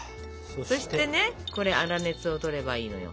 そしてねこれ粗熱をとればいいのよ。